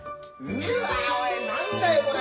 うわ何だよこれ。